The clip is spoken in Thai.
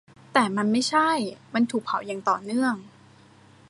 แต่มันไม่ใช่ : มันถูกเผาอย่างต่อเนื่อง